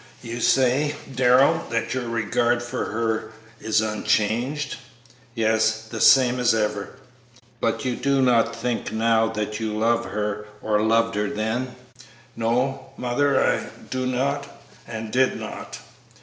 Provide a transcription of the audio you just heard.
"You say, Darrell, that your regard for her is unchanged?" "Yes; the same as ever." "But you do not think now that you love her or loved her then?" "No, mother; I know I do not, and did not."